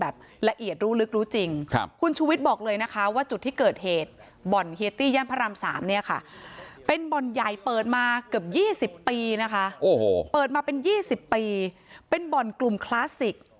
เปิดมาเกือบ๒๐ปีนะคะเปิดมาเป็น๒๐ปีเป็นบอลกลุ่มคลาสสิก